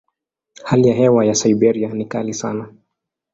Hali ya hewa ya Siberia ni kali sana.